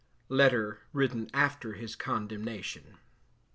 Letter written after his Condemnation.